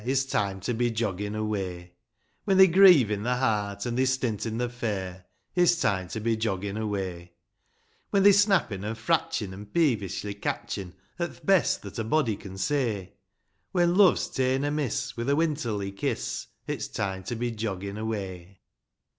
It's time to be joggin' away ; When they're grievin' the heart an' they're stintin' the fare, . It's time to be joggin' away : When they're snappin' an' fratchin' an' peevishly catchin' At th' best that a body can say ; When love's taen amiss, with a winterly kiss. It's time to be joggin' away.